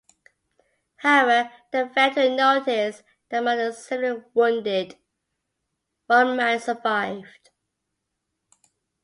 However, they failed to notice that among the severely wounded, one man survived.